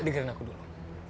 dengerin aku dulu